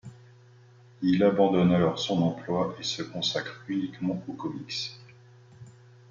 Il abandonne alors son emploi et se consacre uniquement aux comics.